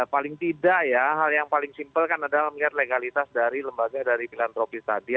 paling tidak ya hal yang paling simpel kan adalah melihat legalitas dari lembaga dari filantropis tadi